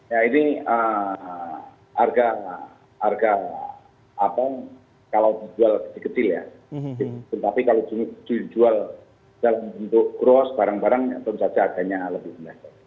ya ini harga apel kalau dijual kecil kecil ya tetapi kalau dijual untuk kruas barang barang tentu saja harganya lebih murah